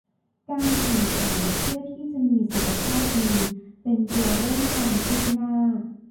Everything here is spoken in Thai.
การแข่งขันเพื่อที่จะมีสุขภาพดีเป็นตัวเร่งความคืบหน้า